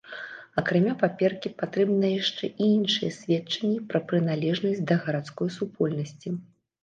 Акрамя паперкі патрэбны яшчэ і іншыя сведчанні пра прыналежнасць да гарадской супольнасці.